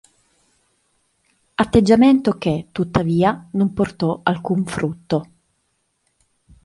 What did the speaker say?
Atteggiamento che, tuttavia, non portò alcun frutto.